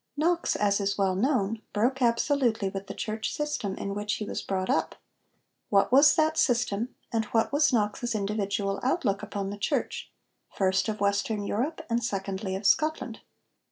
Knox, as is well known, broke absolutely with the church system in which he was brought up. What was that system, and what was Knox's individual outlook upon the Church first, of Western Europe, and secondly of Scotland?